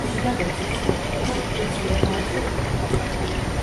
მდინარე თეძმის მარჯვენა მხარეზე.